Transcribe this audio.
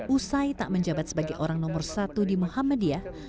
usai tak menjabat sebagai orang nomor satu di muhammadiyah